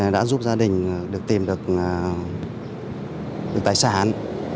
đã giúp gia đình tìm được tài sản